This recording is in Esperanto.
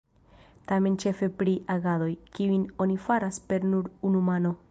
Temas ĉefe pri agadoj, kiujn oni faras per nur unu mano.